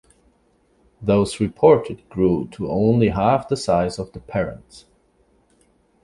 Those reported grew to only half the size of the parents.